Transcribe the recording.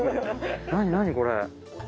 何何これ。